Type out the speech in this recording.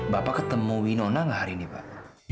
bapak ketemu winona nggak hari ini pak